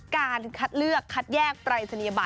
การคัดเลือกคัดแยกปรายศนียบัต